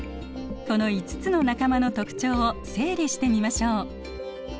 この５つの仲間の特徴を整理してみましょう。